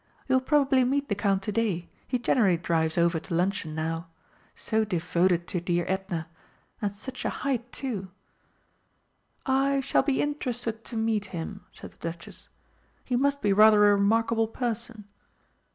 You will probably meet the Count to day, he generally drives over to luncheon now so devoted to dear Edna! And such a height, too!" "I shall be interested to meet him," said the Duchess. "He must be rather a remarkable person."